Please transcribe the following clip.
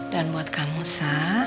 dan buat kamu sa